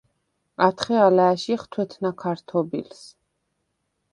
ათხე ალა̄̈შიხ თუ̂ეთნა ქართობილს.